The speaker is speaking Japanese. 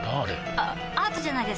あアートじゃないですか？